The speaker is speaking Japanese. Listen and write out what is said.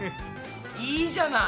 いいじゃない。